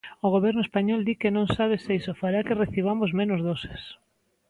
O Goberno español di que non sabe se iso fará que recibamos menos doses.